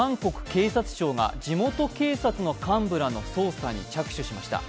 警察庁が地元警察の幹部らの捜査に着手しました。